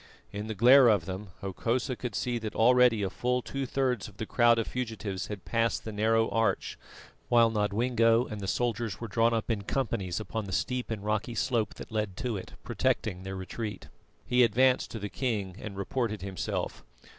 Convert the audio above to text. In the glare of them, Hokosa could see that already a full two thirds of the crowd of fugitives had passed the narrow arch; while Nodwengo and the soldiers were drawn up in companies upon the steep and rocky slope that led to it, protecting their retreat. He advanced to the king and reported himself.